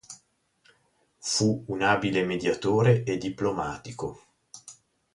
Fu un abile mediatore e diplomatico.